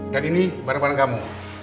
dan ini barang barang kamu